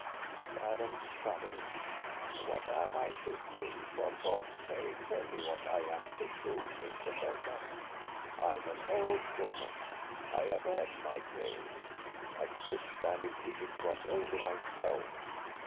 Miss Adams shuddered. "What am I to do? For God's sake tell me what I am to do, Mr. Belmont! I am an old woman. I have had my day. I could stand it if it was only myself.